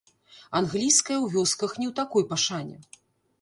Англійская ў вёсках не ў такой пашане.